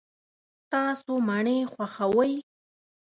تاسو مڼې خوښوئ؟